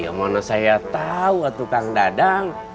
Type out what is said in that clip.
yang mana saya tahu tukang dadang